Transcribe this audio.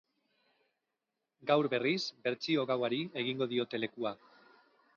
Gaur, berriz, bertsio gauari egingo diote lekua.